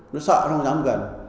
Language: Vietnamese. nó sợ nó không dám gần